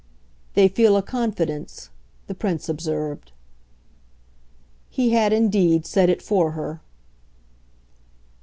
"They feel a confidence," the Prince observed. He had indeed said it for her.